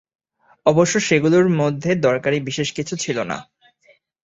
অবশ্য সেগুলির মধ্যে দরকারী বিশেষ কিছু ছিল না।